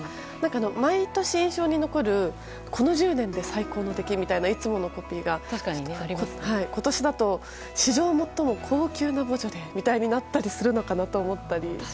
毎年印象に残る「この１０年で最高の出来」みたいな、いつものコピーが今年だと「史上最も高級なボージョレ」になったりするのかなと思ったり。